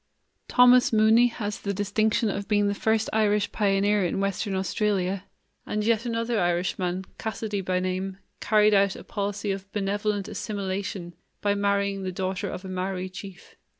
Thomas Mooney has the distinction of being the first Irish pioneer in Western Australia; and yet another Irishman, Cassidy by name, carried out a policy of benevolent assimilation by marrying the daughter of a Maori chief.